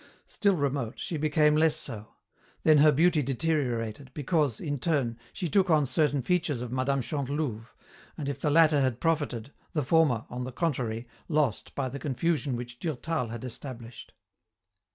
Still remote, she became less so; then her beauty deteriorated, because, in turn, she took on certain features of Mme. Chantelouve, and if the latter had profited, the former, on the contrary, lost by the confusion which Durtal had established.